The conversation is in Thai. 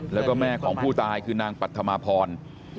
แล้วก็แม่ของผู้ตายคือนางปัธมาพร